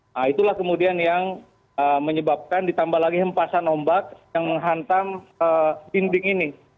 nah itulah kemudian yang menyebabkan ditambah lagi hempasan ombak yang menghantam dinding ini